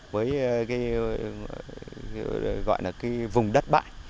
với cái gọi là cái vùng đất bãi